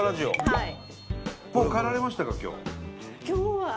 はい。